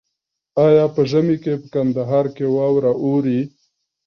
آیا په ژمي کې په کندهار کې واوره اوري؟